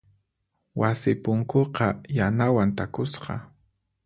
Wasi punkuqa yanawan takusqa.